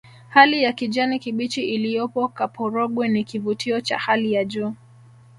hali ya kijani kibichi iliyopo kaporogwe ni kivutio cha hali ya juu